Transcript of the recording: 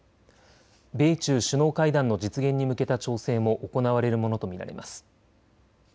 米中首脳会談の実現に向けた調整も行われるものと見られます。